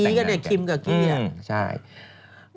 สีกันเนี่ยคิมกับกี้อ่ะ